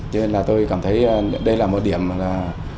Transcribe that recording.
cho nên là tôi cảm thấy đây là một điểm